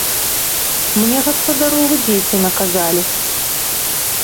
Мне гаспадаровы дзеці наказалі.